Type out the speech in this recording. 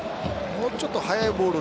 もうちょっと速いボール